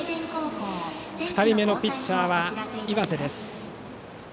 ２人目のピッチャーは岩瀬です。